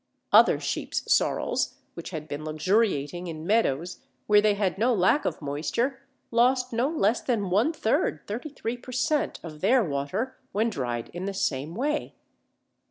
Other Sheep's Sorrels, which had been luxuriating in meadows where they had no lack of moisture, lost no less than one third (33 per cent.) of their water when dried in the same way.